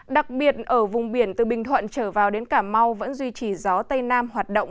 đặc biệt ở vùng biển từ bình thuận trở vào đến cà mau vẫn duy trì gió tây nam hoạt động